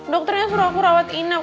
dokternya suruh aku rawat inap